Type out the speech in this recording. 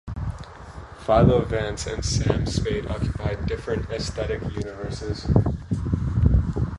Philo Vance and Sam Spade occupy different aesthetic universes.